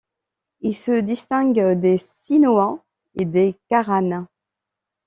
Ils se distinguent des Sinoas et des Karanes.